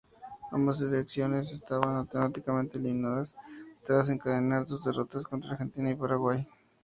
Ambas selecciones estaban matemáticamente eliminadas tras encadenar dos derrotas contra Argentina y Paraguay.